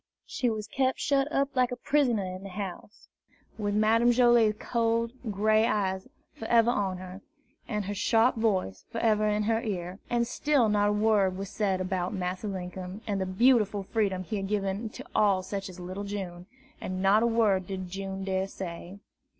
She was kept shut up like a prisoner in the house, with Madame Joilet's cold gray eyes forever on her, and her sharp voice forever in her ear. And still not a word was said about Massa Linkum and the beautiful freedom he had given to all such as little June, and not a word did June dare to say.